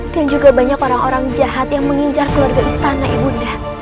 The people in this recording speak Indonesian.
dan juga banyak orang orang jahat yang menginjar keluarga istana ibunda